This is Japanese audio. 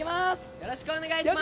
よろしくお願いします。